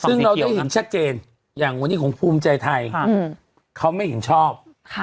ซึ่งเราได้เห็นชัดเจนอย่างวันนี้ของภูมิใจไทยเขาไม่เห็นชอบ